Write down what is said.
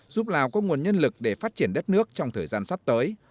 giúp lào có nguồn nhân lực để phát triển đất nước trong thời gian sắp tới